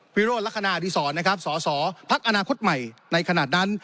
วิโรธลักษณะอดีศรนะครับสสพักอนาคตใหม่ในขณะนั้น